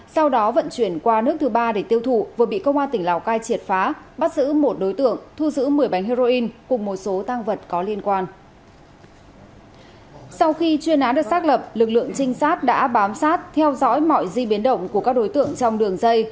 sau khi chuyên án được xác lập lực lượng trinh sát đã bám sát theo dõi mọi di biến động của các đối tượng trong đường dây